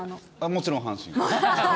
もちろん阪神。